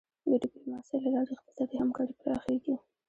د ډیپلوماسی له لارې اقتصادي همکاري پراخیږي.